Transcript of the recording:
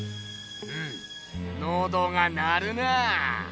うむのどが鳴るなぁ！